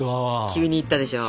急にいったでしょ。